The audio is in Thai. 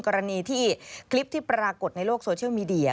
กรณีที่คลิปที่ปรากฏในโลกโซเชียลมีเดีย